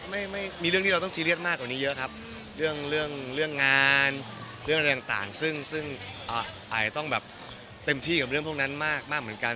ไม่มีเรื่องที่เราต้องซีเรียสมากกว่านี้เยอะครับเรื่องเรื่องงานเรื่องอะไรต่างซึ่งซึ่งอาจจะต้องแบบเต็มที่กับเรื่องพวกนั้นมากเหมือนกัน